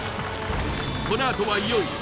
このあとはいよいよ